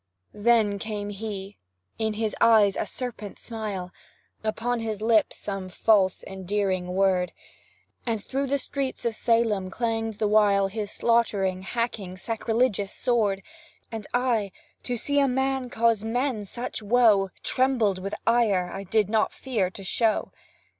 Then came he in his eyes a serpent smile, Upon his lips some false, endearing word, And through the streets of Salem clang'd the while His slaughtering, hacking, sacrilegious sword And I, to see a man cause men such woe, Trembled with ire I did not fear to show.